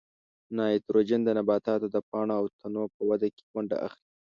نایتروجن د نباتاتو د پاڼو او تنو په وده کې ونډه اخلي.